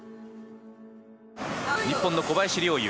日本の小林陵侑。